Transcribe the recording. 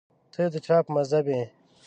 ته د چا په مذهب یې